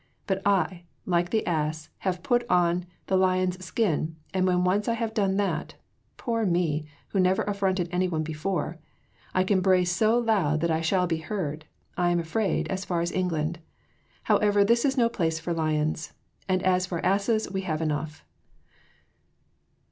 But I, like the Ass, have put on the Lion's skin, and when once I have done that (poor me, who never affronted any one before), I can bray so loud that I shall be heard, I am afraid, as far as England. However, this is no place for lions; and as for asses, we have enough."